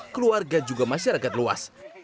keluarga juga masyarakat luas